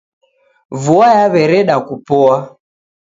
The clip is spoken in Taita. Vua yawereda kupoa.